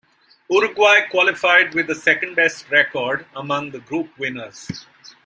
Uruguay qualified with the second-best record among the group winners.